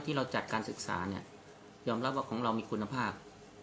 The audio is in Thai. เราจัดการศึกษาเนี่ยยอมรับว่าของเรามีคุณภาพ